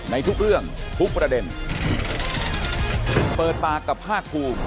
ในทุกเรื่องทุกประเด็นเปิดปากกับภาคภูมิ